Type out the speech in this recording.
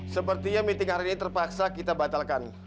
sepertinya meeting hari ini terpaksa kita batalkan